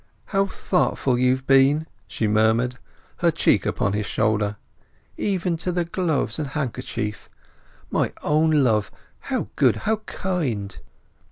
"How thoughtful you've been!" she murmured, her cheek upon his shoulder. "Even to the gloves and handkerchief! My own love—how good, how kind!"